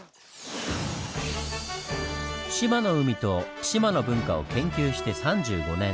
志摩の海と志摩の文化を研究して３５年。